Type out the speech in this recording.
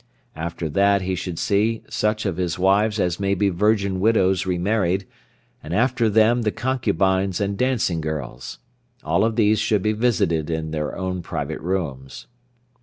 After that he should see such of his wives as may be virgin widows re married, and after them the concubines and dancing girls. All of these should be visited in their own private rooms.